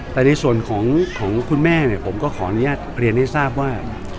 แต่ในส่วนของคุณแม่เนี่ยผมก็ขออนุญาตเรียนให้ทราบว่า